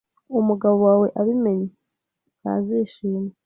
Umugabo wawe abimenye, ntazishima.